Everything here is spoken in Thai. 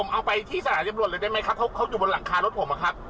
เอาไปที่สถานีตำรวจเลยได้ไหมครับเขาอยู่บนหลังคารถผมอะครับ